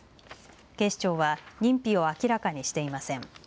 警視庁は認否を明らかにしていません。